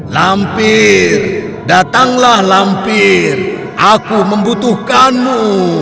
lampir datanglah lampir aku membutuhkanmu